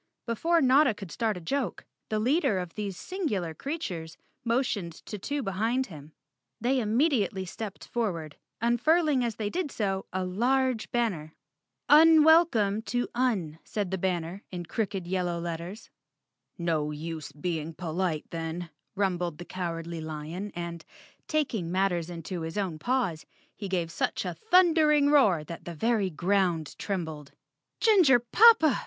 Before Notta could start a joke, the leader of these singular creatures motioned to two behind him. They immediately stepped forward, unfurling as they did so a large banner. "Unwelcome to Un," said the banner in crooked yel¬ low letters. "No use being polite then," rumbled the Cowardly Lion and, taking matters into his own paws, he gave such a thundering roar that the very ground trembled. "Ginger poppa!"